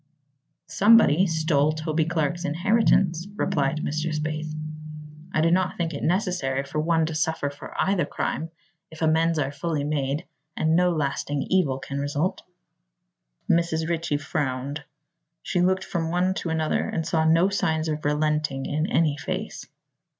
"Somebody stole Toby Clark's inheritance," replied Mr. Spaythe. "I do not think it necessary for one to suffer for either crime, if amends are fully made and no lasting evil can result." Mrs. Ritchie frowned. She looked from one to another and saw no signs of relenting in any face.